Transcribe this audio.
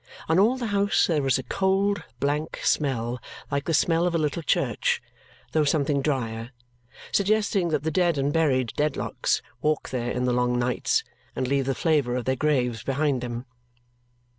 On all the house there is a cold, blank smell like the smell of a little church, though something dryer, suggesting that the dead and buried Dedlocks walk there in the long nights and leave the flavour of their graves behind them.